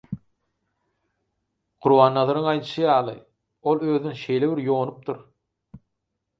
Gurbannazaryň aýdyşy ýaly, ol özüni şeýle bir ýonupdyr